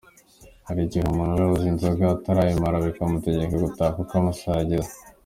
Hari igihe umuntu aba yaguze inzoga atarayimara bakamutegeka gutaha kuko amasaha yageze.